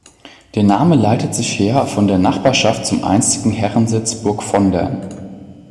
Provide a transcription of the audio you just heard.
Der Name leitet sich her von der Nachbarschaft zum einstigen Herrensitz Burg Vondern.